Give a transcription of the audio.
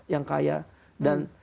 yang kaya dan